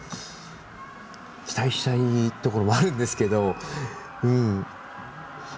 期待したいところはあるんですけど。